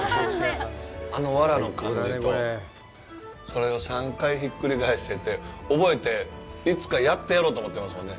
あの藁の感じと、それを３回ひっくり返してって、覚えて、いつかやってやろうと思ってます